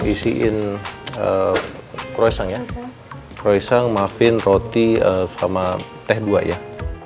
kesya noh kayaknya dia gak nyaman deh